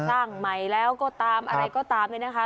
สร้างใหม่แล้วก็ตามอะไรก็ตามเนี่ยนะคะ